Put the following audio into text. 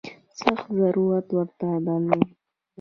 سخت ضرورت ورته درلود.